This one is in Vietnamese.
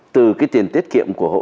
từ cái tiền tiết kiệm của hộ